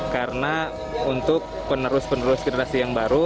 karena untuk penerus penerus generasi yang baru